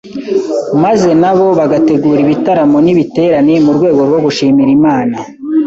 maze nabo bagategura ibitaramo n’ibiterane mu rwego rwo gushimira Imana